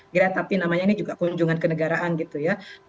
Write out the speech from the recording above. gratapi namanya ini juga kunjungan ke negaraan gitu ya